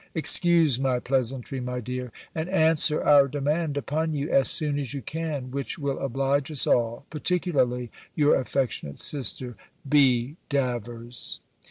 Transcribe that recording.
Excuse my pleasantry, my dear: and answer our demand upon you, as soon as you can; which will oblige us all; particularly your affectionate sister, B. DAVERS.